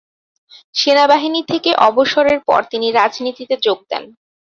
সেনাবাহিনী থেকে অবসরের পর তিনি রাজনীতিতে যোগ দেন।